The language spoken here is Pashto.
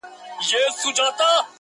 o لږ مي درکه، خوند ئې درکه.